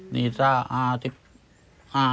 นี่๓อาหาร๑๕อาหาร